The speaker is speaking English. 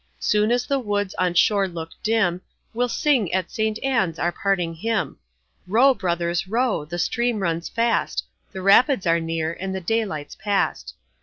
Soon as the woods on shore look dim, We'll sing at St. Ann's our parting hymn. Row, brothers, row, the stream runs fast, The Rapids are near and the daylight's past.